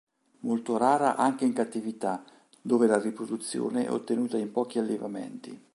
Molto rara anche in cattività dove la riproduzione è ottenuta in pochi allevamenti.